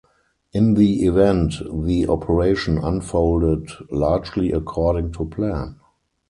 In the event the operation unfolded largely according to plan.